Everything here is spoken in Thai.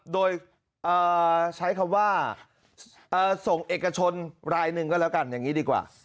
โดยใช้คำว่าส่งเอกชนรายหนึ่งก็แล้วกันอย่างนี้ดีกว่า